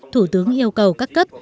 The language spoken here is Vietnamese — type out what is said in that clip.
thủ tướng yêu cầu các cấp